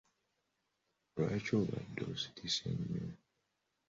Lwaki obadde osirise nnyo?